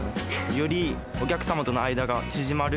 よりお客様との間が縮まる。